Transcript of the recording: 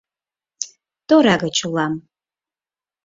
Тора гыч улам.